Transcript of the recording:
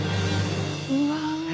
うわ。